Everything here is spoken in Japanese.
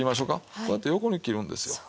こうやって横に切るんですよ。